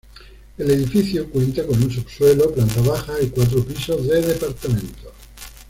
El edificio cuenta con un subsuelo, planta baja y cuatro pisos de departamentos.